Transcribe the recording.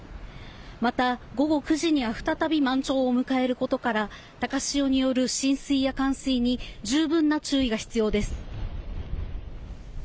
また、午後９時には再び満潮を迎えることから高潮による浸水や冠水に十分な注意が必要です。